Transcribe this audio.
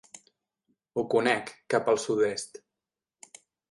Ho conec, cap al sud-est.